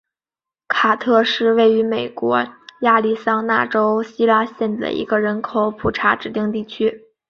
卡特是位于美国亚利桑那州希拉县的一个人口普查指定地区。